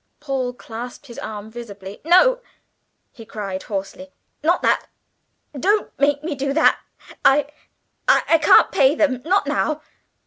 Paul clasped his arm convulsively. "No!" he cried hoarsely, "not that! Don't make me do that! I I can't pay them not now.